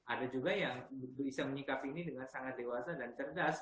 ada juga yang bisa menyikapi ini dengan sangat dewasa dan cerdas